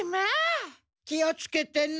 気をつけてな。